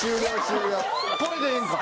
・え！・これでええんか？